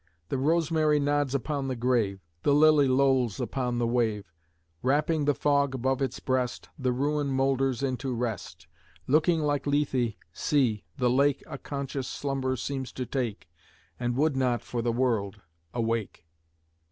The rosemary nods upon the grave; The lily lolls upon the wave; Wrapping the fog above its breast, The ruin moulders into rest; Looking like Lethe, see! the lake A conscious slumber seems to take, And would not, for the world, awake.